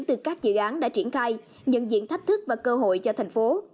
từ các dự án đã triển khai nhận diện thách thức và cơ hội cho thành phố